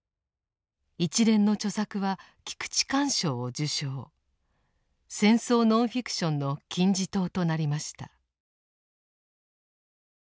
一連の著作は菊池寛賞を受賞戦争ノンフィクションの金字塔となりました。